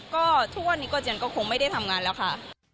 ก็ทุกวันนี้ก็เจียนก็คงไม่ได้ทำงานแล้วค่ะ